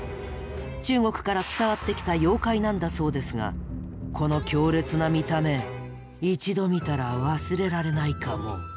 中国から伝わってきた妖怪なんだそうですがこの強烈な見た目一度見たら忘れられないかも。